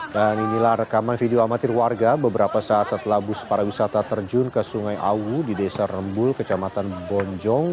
dan inilah rekaman video amatir warga beberapa saat setelah bus para wisata terjun ke sungai awu di desa rembul kecamatan bonjong